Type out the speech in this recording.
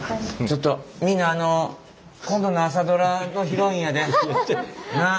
ちょっとみんなあの今度の「朝ドラ」のヒロインやで。なあ。